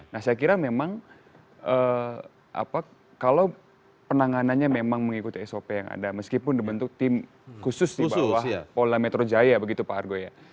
nah saya kira memang kalau penanganannya memang mengikuti sop yang ada meskipun dibentuk tim khusus di bawah polda metro jaya begitu pak argo ya